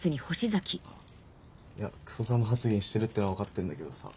いやクソサム発言してるってのは分かってんだけどさ